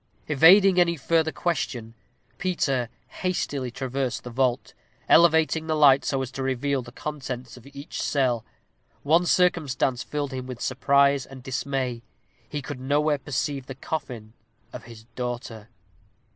Evading any further question, Peter hastily traversed the vault, elevating the light so as to reveal the contents of each cell. One circumstance filled him with surprise and dismay he could nowhere perceive the coffin of his daughter.